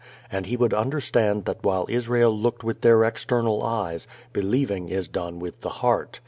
And he would understand that while Israel looked with their external eyes, believing is done with the heart.